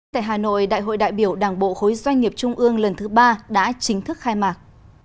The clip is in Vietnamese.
tại hà nội đại hội đại biểu đảng bộ khối doanh nghiệp trung ương lần thứ ba đã chính thức khai mạc